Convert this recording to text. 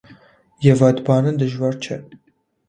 Եվ այդ բանը դժվար չէ.